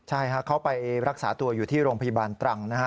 ใช่เขาไปรักษาตัวอยู่ที่โรงพยาบาลตรังนะฮะ